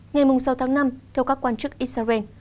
ngày sáu tháng năm theo các quan chức israel